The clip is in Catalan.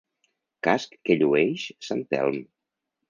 Casc que llueix sant Telm.